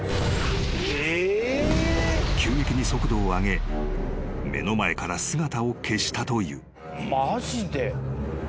［急激に速度を上げ目の前から姿を消したという］